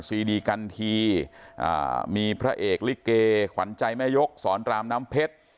ซีดีกันทีมีพระเอกลิเกขวัญใจแม่ยกสอนรามน้ำเพชร